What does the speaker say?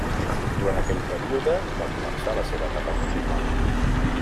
Durant aquell període va començar la seva etapa musical.